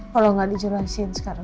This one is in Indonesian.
kalo gak dijelasin sekarang